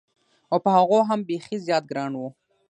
او په هغو هم بېخي زیات ګران و.